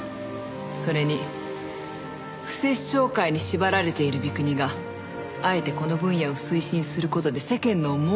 それに不殺生戒に縛られている比丘尼があえてこの分野を推進する事で世間の蒙を啓きたいのよ。